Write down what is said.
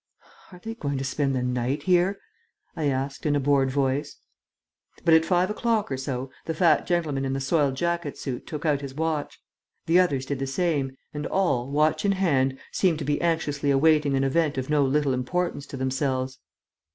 "Are they going to spend the night here?" I asked, in a bored voice. But, at five o'clock or so, the fat gentleman in the soiled jacket suit took out his watch. The others did the same and all, watch in hand, seemed to be anxiously awaiting an event of no little importance to themselves.